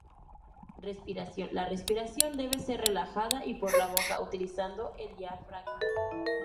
Respiración: La respiración debe ser relajada y por la boca, utilizando el diafragma.